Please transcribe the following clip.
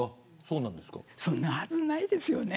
そんなはずないですよね。